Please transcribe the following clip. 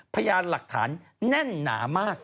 พยานหลักฐานแน่นหนามาก